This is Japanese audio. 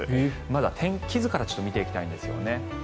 まずは天気図から見ていきたいんですね。